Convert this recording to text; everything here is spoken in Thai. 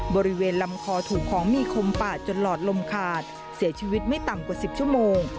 บริเวณลำคอถูกของมีคมปาดจนหลอดลมขาดเสียชีวิตไม่ต่ำกว่า๑๐ชั่วโมง